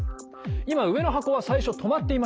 今上の箱は最初止まっていました。